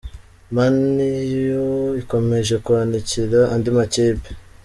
Mani yu ikomeje kwanikira andi makipe